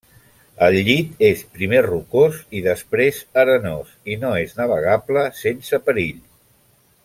El llit és primer rocós i després arenós, i no és navegable sense perill.